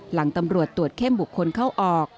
หลังตำรวจตรวจเข้มบุคคลเข้าออก